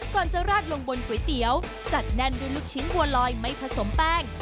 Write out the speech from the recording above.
ก่อนจะราดลงบนก๋วยเตี๋ยวจัดแน่นด้วยลูกชิ้นบัวลอยไม่ผสมแป้ง